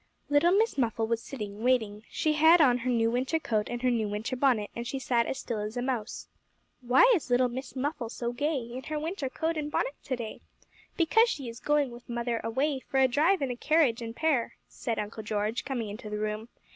* Little Miss Muffle was sitting waiting. She had on her new winter coat and her new winter bonnet, and she sat as still as a mouse. [Illustration: 'LITTLE MISS MUFFLE WAS SITTING WAITING.'] 'Why is little Miss Muffle so gay, In her winter coat and bonnet to day? Because she is going with mother away For a drive in a carriage and pair,' said Uncle George, coming into the room.